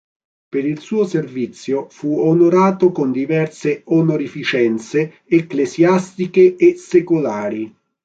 Per il suo servizio fu onorato con diverse onorificenze ecclesiastiche e secolari.